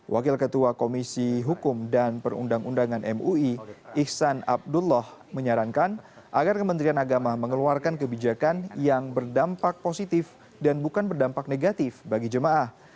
wakil ketua komisi hukum dan perundang undangan mui iksan abdullah menyarankan agar kementerian agama mengeluarkan kebijakan yang berdampak positif dan bukan berdampak negatif bagi jemaah